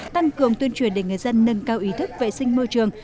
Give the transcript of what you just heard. tăng cường tuyên truyền để người dân nâng cao ý thức vệ sinh môi trường